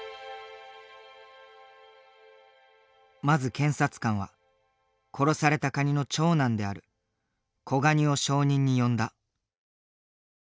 まず検察官は殺されたカニの長男である子ガニを証人に呼んだ。